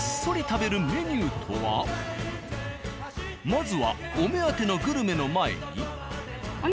まずはお目当てのグルメの前に。